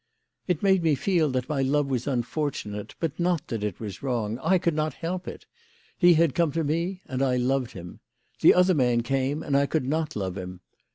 " It made me feel that my love was unfortunate, but not that it was wrong. I could not help it. He had come to me, and I loved him. The other man came, and I could not love him.